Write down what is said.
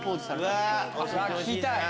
聞きたい！